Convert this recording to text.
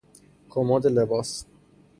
کمد لباس